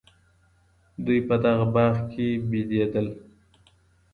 دوی په دغه باغ کي بېدېدل.